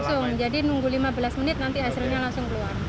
langsung jadi nunggu lima belas menit nanti hasilnya langsung keluar